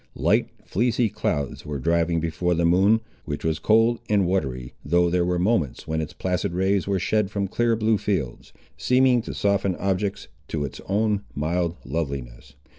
Light fleecy clouds were driving before the moon, which was cold and watery though there were moments, when its placid rays were shed from clear blue fields, seeming to soften objects to its own mild loveliness.